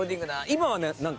今はね